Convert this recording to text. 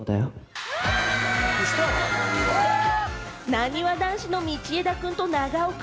なにわ男子の道枝君と長尾君。